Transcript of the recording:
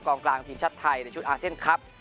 กลางทีมชาติไทยในชุดอาเซียนครับ